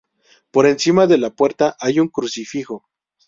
Por encima de la puerta hay un crucifijo.